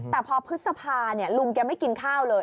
แต่พอพฤษภาลุงแกไม่กินข้าวเลย